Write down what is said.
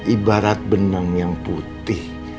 ibarat benang yang putih